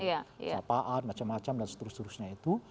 kesapaan macam macam dan seterusnya itu